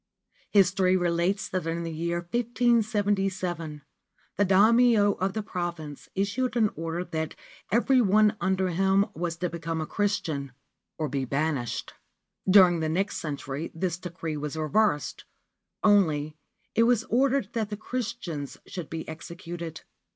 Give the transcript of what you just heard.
History relates that in the year 1577 the Daimio of the province issued an order that every one under him was to become a Christian or be banished. During the next century this decree was reversed ; only, it was ordered that the Christians should be executed.